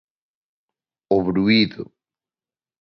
O bruído.